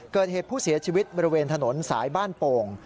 เกิดเหตุผู้เสียชีวิตบริเวณถนนสายบ้านโป่ง